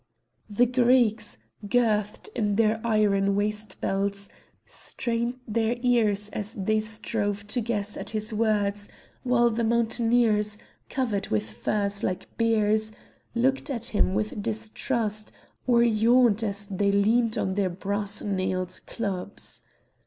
The Greeks, girthed in their iron waist belts, strained their ears as they strove to guess at his words, while the mountaineers, covered with furs like bears, looked at him with distrust, or yawned as they leaned on their brass nailed clubs.